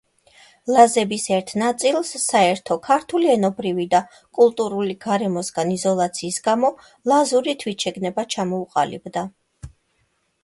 ლაზების ერთ ნაწილს საერთო ქართული ენობრივი და კულტურული გარემოსგან იზოლაციის გამო ლაზური თვითშეგნება ჩამოუყალიბდა.